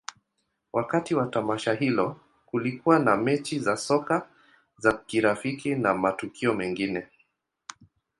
Wakati wa tamasha hilo, kulikuwa na mechi za soka za kirafiki na matukio mengine.